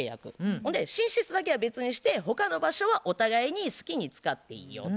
ほんで寝室だけは別にして他の場所はお互いに好きに使っていいよっていうことになって。